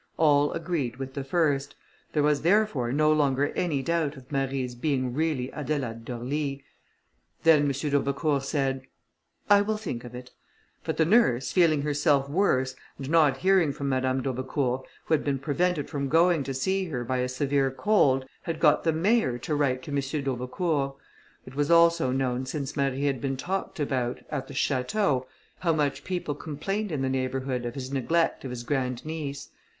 All agreed with the first. There was, therefore, no longer any doubt of Marie's being really Adelaide d'Orly. Then M. d'Aubecourt said, "I will think of it;" but the nurse, feeling herself worse, and not hearing from Madame d'Aubecourt, who had been prevented from going to see her, by a severe cold, had got the mayor to write to M. d'Aubecourt. It was also known, since Marie had been talked about at the château, how much people complained in the neighbourhood, of his neglect of his grandniece.